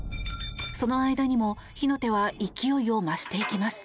その間にも火の手は勢いを増していきます。